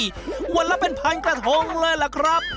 วันละเป็นพันกระทงเลยล่ะครับ